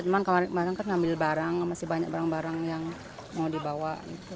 cuman kemarin kan ngambil barang masih banyak barang barang yang mau dibawa